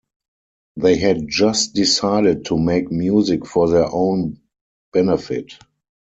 They had just decided to make music for their own benefit.